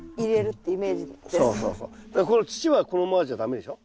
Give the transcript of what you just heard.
この土はこのままじゃ駄目でしょ。